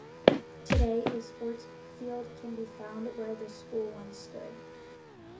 Today a sports field can be found where the school once stood.